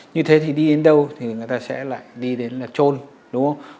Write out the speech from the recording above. như thế thì đi đến đâu thì người ta sẽ lại đi đến chỗ này